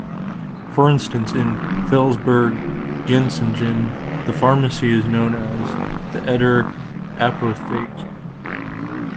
For instance, in Felsberg-Gensungen, the pharmacy is known as the "Edder-Apotheke".